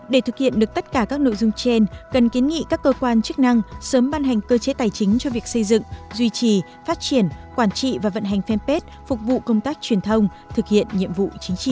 để thực hiện được tất cả các nội dung trên cần kiến nghị các cơ quan chức năng sớm ban hành cơ chế tài chính cho việc xây dựng duy trì phát triển quản trị và vận hành fanpage phục vụ công tác truyền thông thực hiện nhiệm vụ chính trị